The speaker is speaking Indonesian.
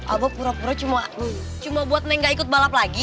abah pura pura cuma buat neng tidak ikut balap lagi